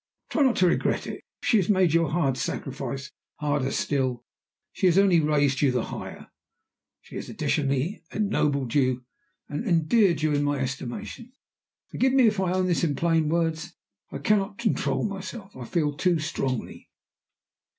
Try not to regret it, if she has made your hard sacrifice harder still. She has only raised you the higher she has additionally ennobled you and endeared you in my estimation. Forgive me if I own this in plain words. I cannot control myself I feel too strongly."